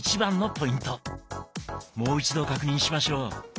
もう一度確認しましょう。